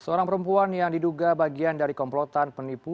seorang perempuan yang diduga bagian dari komplotan penipu